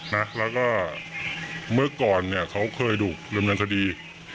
นะแล้วก็เมื่อก่อนแบบเนี้ยเขาเคยถูกเหลือมหยุดสดี